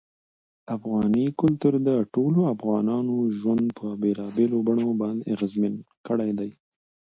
افغاني کلتور د ټولو افغانانو ژوند په بېلابېلو بڼو باندې اغېزمن کړی دی.